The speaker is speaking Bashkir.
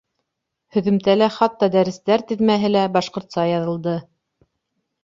Һөҙөмтәлә хатта дәрестәр теҙмәһе лә башҡортса яҙылды.